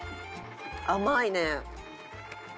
甘いね。